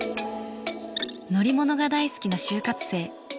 乗り物が大好きな就活生。